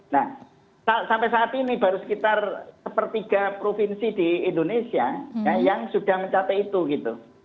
nah sampai saat ini baru sekitar sepertiga provinsi di indonesia yang sudah mencapai itu gitu